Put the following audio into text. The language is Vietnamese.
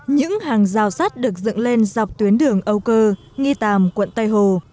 những hàng rào sắt được dựng lên dọc tuyến đường âu cơ nghi tàm quận tây hồ